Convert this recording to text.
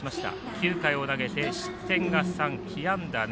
９回を投げて失点が３、被安打７